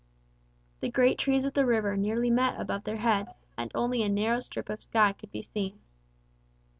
The great trees of the river nearly met above their heads, and only a narrow strip of sky could be seen.